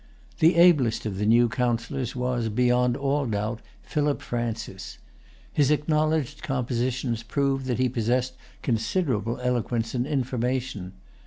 The ablest of the new Councillors was, beyond all doubt, Philip Francis. His acknowledged compositions prove that he possessed considerable eloquence and information.